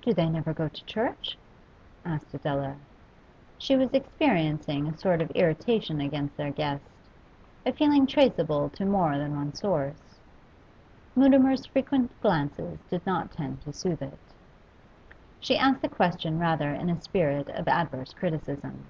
'Do they never go to church?' asked Adela. She was experiencing a sort of irritation against their guest, a feeling traceable to more than one source; Mutimer's frequent glances did not tend to soothe it. She asked the question rather in a spirit of adverse criticism.